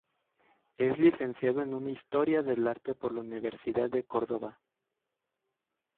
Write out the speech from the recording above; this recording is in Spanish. Es licenciado en historia del arte por la Universidad de Córdoba.